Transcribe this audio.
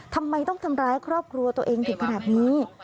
ทำไมต้องทำร้ายครอบครัวตัวเองถึงขนาดนี้